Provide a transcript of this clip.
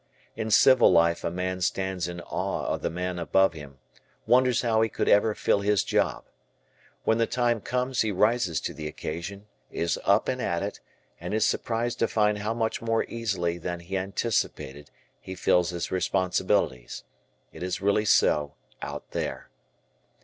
In civil life a man stands in awe of the man above him, wonders how he could ever fill his Job. When the time comes he rises to the occasion, is up and at it, and is surprised to find how much more easily than he anticipated he fills his responsibilities. It is really so "out there."